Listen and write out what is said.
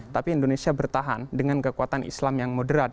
tapi indonesia bertahan dengan kekuatan islam yang moderat